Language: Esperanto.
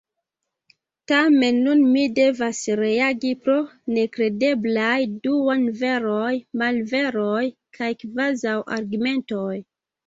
Tamen nun mi devas reagi pro nekredeblaj duonveroj, malveroj kaj kvazaŭargumentoj.